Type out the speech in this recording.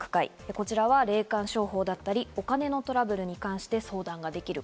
こちらは霊感商法だったり、お金のトラブルに関して相談ができる。